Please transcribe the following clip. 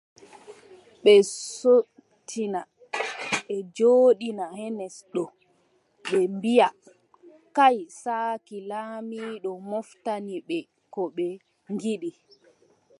Ɓe sottina, ɓe joɗɗina genes ɗo ɓe mbiaʼa : kay saaki laamiiɗo moftani ɓe ko ɓe ngiɗi.